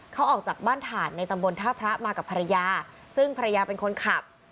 เขาออกจากบ้านถ่านในตำบลท่าพระมากับภรรยาซึ่งภรรยาเป็นคนขับ